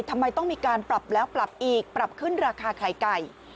ทำไมต้องมีการปรับแล้วปรับอีกปรับขึ้นราคาไข่ไก่